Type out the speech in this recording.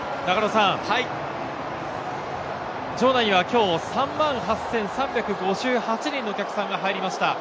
場内は、きょう３万８３５８人のお客さんが入りました。